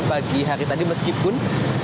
pagi hari tadi meskipun